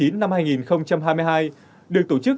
năm hai nghìn hai mươi hai được tổ chức